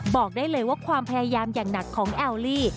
บอกได้เลยว่าความพยายามอย่างหนักของแอลลี่